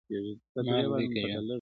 مرگ دی که ژوند دی,